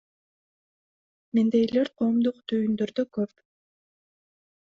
Мендейлер коомдук түйүндөрдө көп.